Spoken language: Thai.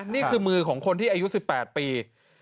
นี่คือมือของคนที่อายุ๑๘ปี